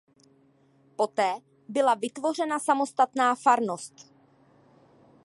Poté byla vytvořena samostatná farnost.